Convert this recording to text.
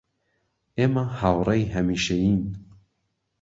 ئێمە هاوڕێی هەمیشەیین